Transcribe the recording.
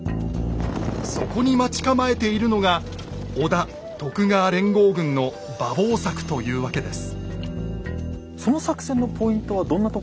そこに待ち構えているのが織田・徳川連合軍の馬防柵というわけです